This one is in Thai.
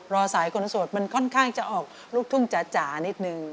รอสายคนโสดมันค่อนข้างจะออกลูกทุ่งจ๋านิดนึง